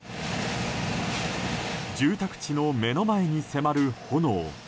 住宅地の目の前に迫る炎。